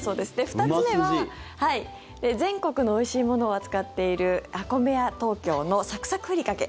２つ目は全国のおいしいものを扱っているＡＫＯＭＥＹＡＴＯＫＹＯのサクサクふりかけ。